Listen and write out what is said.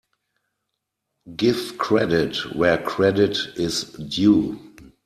Give credit where credit is due.